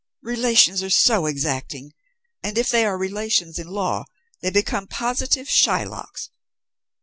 Relations are so exacting, and if they are relations in law they become positive Shylocks.